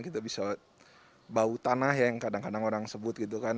kita bisa bau tanah yang kadang kadang orang sebut